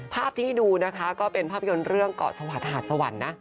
ภาพที่มิดูก็เป็นภาพยนต์เรื่องกสวรรค์หาชสวรรค์นะ